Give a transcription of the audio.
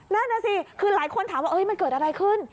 นั่นน่ะสิคือหลายคนถามว่ามันเกิดอะไรขึ้น